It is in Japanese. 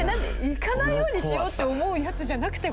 行かないようにしようって思うやつじゃなくて？